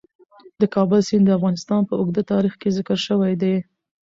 د کابل سیند د افغانستان په اوږده تاریخ کې ذکر شوی دی.